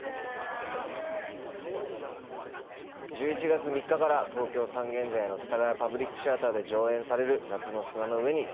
１１月３日から東京三軒茶屋の世田谷パブリックシアターで上演される『夏の砂の上』に出演します。